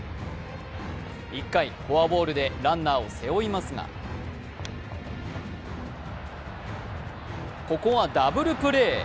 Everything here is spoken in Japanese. １回、フォアボールでランナーを背負いますがここはダブルプレー。